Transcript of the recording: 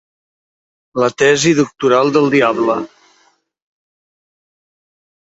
La tesi doctoral del diable.